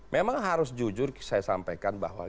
memang harus jujur saya sampaikan bahwa